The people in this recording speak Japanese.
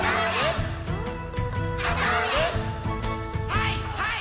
はいはい！